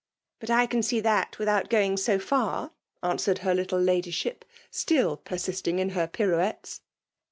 " But I can see that without going so far/* answered her little Ladyship, still persisting in lier ptTtmettee.